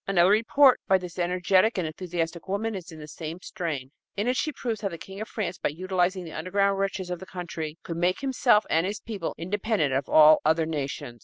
Another report by this energetic and enthusiastic woman is in the same strain. In it she proves how the King of France, by utilizing the underground riches of his country, could make himself and his people independent of all other nations.